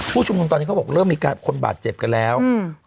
ชุมนุมตอนนี้เขาบอกเริ่มมีคนบาดเจ็บกันแล้วอืม